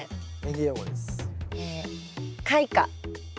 開花？